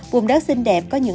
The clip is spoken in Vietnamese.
hối hả vùng đất xinh đẹp có những